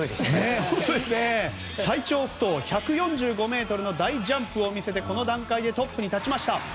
最長不倒１４５ｍの大ジャンプを見せてこの段階でトップに立ちました。